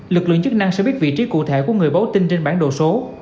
lực lượng chức năng sẽ biết vị trí cụ thể của người báo tin trên bản đồ số